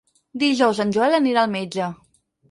Dijous en Joel anirà al metge.